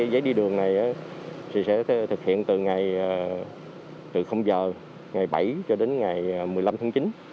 giấy đi đường này thì sẽ thực hiện từ giờ ngày bảy cho đến ngày một mươi năm tháng chín